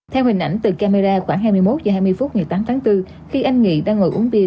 theo hình ảnh từ camera khoảng hai mươi một h hai mươi phút ngày tám tháng bốn khi anh nghị đang ngồi uống bia